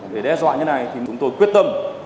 để đe dọa như này thì chúng tôi quyết tâm